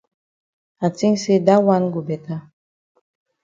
I tink say dat wan go beta.